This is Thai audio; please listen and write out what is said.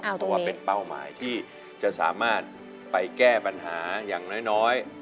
เพราะว่าเป็นเป้าหมายที่จะสามารถไปแก้ปัญหาอย่างน้อย